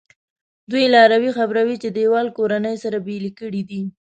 دوی لاروی خبروي چې دیوال کورنۍ سره بېلې کړي دي.